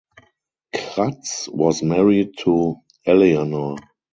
Kratz was married to Eleanor.